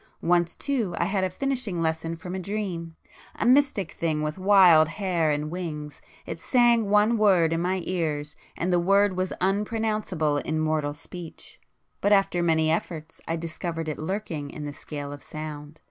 Once too I had a finishing lesson from a Dream,—a mystic thing with wild hair and wings—it sang one word in my ears, and the word was unpronounceable in mortal speech,—but after many efforts I discovered it lurking in the scale of sound.